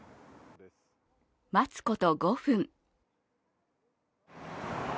待つこと５分。